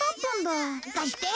貸して。